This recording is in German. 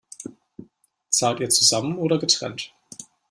Zahlt ihr zusammen oder getrennt?